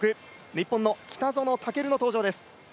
日本の北園丈琉の登場です。